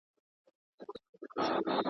موږ باید د ټولنیزو بدلونونو په اړه فکر وکړو.